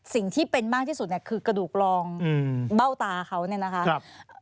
สิ่งที่เป็นมากที่สุดเนี่ยคือกระดูกรองเบ้าตาเขาเนี่ยนะคะ